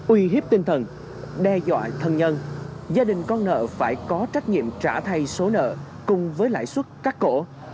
uy hiếp tinh thần đe dọa thân nhân gia đình con nợ phải có trách nhiệm trả thay số nợ cùng với lãi suất cắt cổ